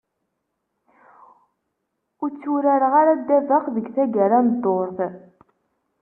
Ur tturareɣ ara ddabex deg taggara n ddurt.